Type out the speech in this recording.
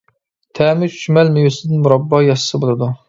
تەمى چۈچۈمەل، مېۋىسىدىن مۇراببا ياسىسا بولىدۇ.